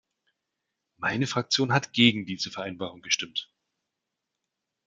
Meine Fraktion hat gegen diese Vereinbarung gestimmt.